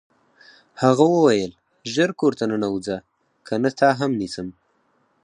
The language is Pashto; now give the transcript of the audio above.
هغه وویل ژر کور ته ننوځه کنه تا هم نیسم